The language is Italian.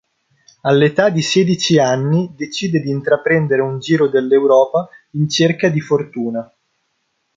All'età di sedici anni, decide di intraprendere un giro dell'Europa in cerca di fortuna.